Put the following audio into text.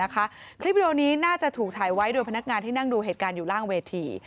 คลิปวิดีโอนี้น่าจะถูกถ่ายไว้โดยพนักงานที่นั่งดูเหตุการณ์อยู่ล่างเวที